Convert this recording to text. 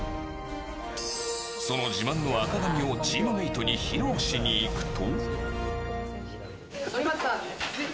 その自慢の赤髪をチームメートに披露しに行くと。